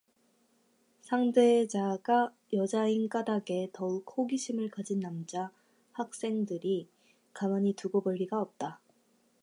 상대자가 여자인 까닭에 더욱 호기심을 가진 남학생들이 가만히 두고 볼 리가 없다.